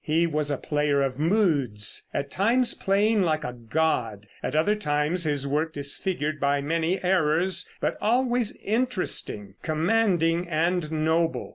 He was a player of moods, at times playing like a god, at other times his work disfigured by many errors, but always interesting, commanding and noble.